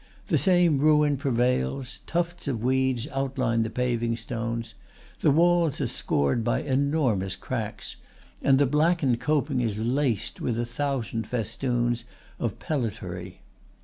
The same ruin prevails. Tufts of weeds outline the paving stones; the walls are scored by enormous cracks, and the blackened coping is laced with a thousand festoons of pellitory.